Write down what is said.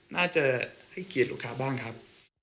น่าจะให้เกียรติลูกค้าบ้างครับ